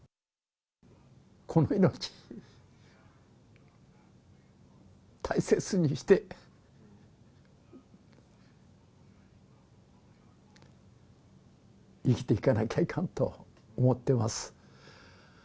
この命、大切にして、生きていかなきゃいかんと思ってます。